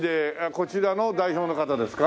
こちらの代表の方ですか？